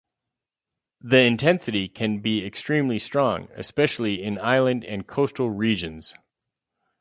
The intensity can be extremely strong, especially in island and coastal regions.